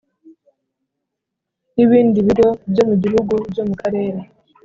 N ibindi bigo byo mu gihugu byo mu karere